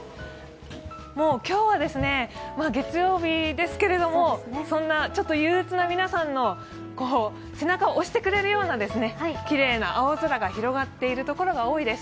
今日は月曜日ですけど、そんなちょっと憂鬱な皆さんの背中を押してくれるようなきれいな青空が広がっている所が多いです。